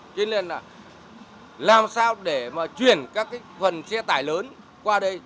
cho nên là làm sao để mà chuyển các cái phần xe tải lớn qua đây